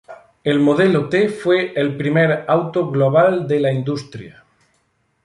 El modelo T fue el primer auto global de la industria.